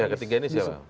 pihak ketiga ini siapa